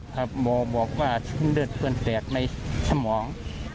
ครับหมอบอกว่าชิ้นเลือดเป็นแสดงในสมอง